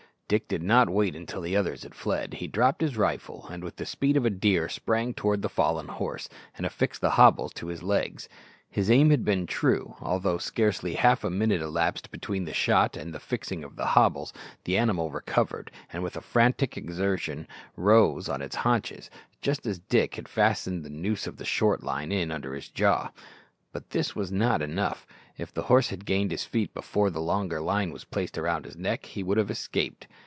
Dick did not wait until the others had fled. He dropped his rifle, and with the speed of a deer sprang towards the fallen horse, and affixed the hobbles to his legs. His aim had been true. Although scarcely half a minute elapsed between the shot and the fixing of the hobbles, the animal recovered, and with a frantic exertion rose on his haunches, just as Dick had fastened the noose of the short line in his under jaw. But this was not enough. If the horse had gained his feet before the longer line was placed round his neck, he would have escaped.